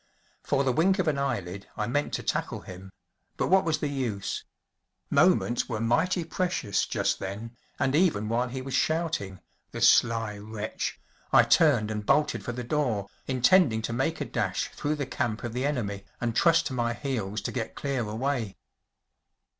For the wink of an eyelid I meant to tackle him, but what was the use? Moments were mighty precious just then, and even while he was shouting‚ÄĒthe sly wretch‚ÄĒI turned and bolted for the door, intending to make a dash through the camp of the enemy, and trust to my heels to get clear away.